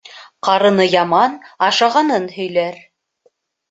Ҡарыны яман ашағанын һөйләр.